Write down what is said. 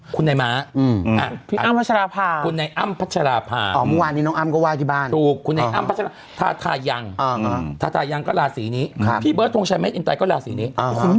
คุณให้มาอ้ะอ้ามพัจฉาภาพคุณให้ยังไงอ้ามพัจฉาภาพ